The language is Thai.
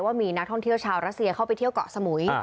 ว่ามีนักท่องเที่ยวชาวรัสเซียเข้าไปเที่ยวเกาะสมุย